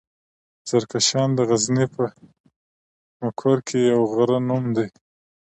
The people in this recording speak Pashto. زرکشان دغزني پهمفر کې د يوۀ غرۀ نوم دی.